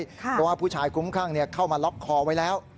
เพราะว่าผู้ชายคุ้มครั่งเข้ามาล็อกคอไว้แล้ว